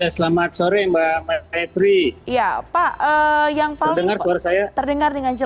selamat sore mbak fb